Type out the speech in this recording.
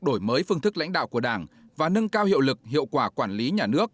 đổi mới phương thức lãnh đạo của đảng và nâng cao hiệu lực hiệu quả quản lý nhà nước